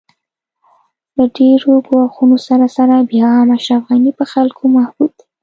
د ډېرو ګواښونو سره سره بیا هم اشرف غني په خلکو کې محبوب دی